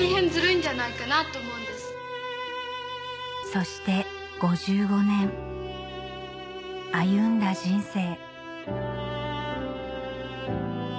そして５５年歩んだ人生